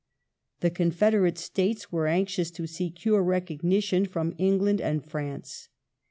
The Confederate States were anxious to secure recognition from England and France.